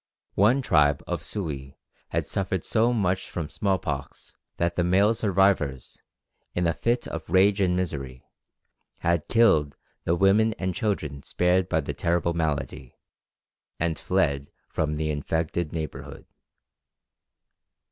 One tribe of Sioux had suffered so much from smallpox, that the male survivors, in a fit of rage and misery, had killed the women and children spared by the terrible malady, and fled from the infected neighbourhood.